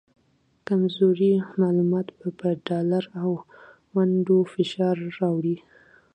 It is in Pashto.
کمزوري معلومات به په ډالر او ونډو فشار راوړي